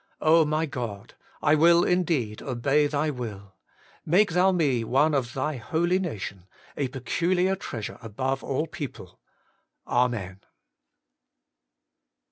my God ! I will indeed obey Thy will : make Thou me one of Thy holy nation, a peculiar treasure above all people. Amen.